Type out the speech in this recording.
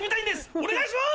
お願いします！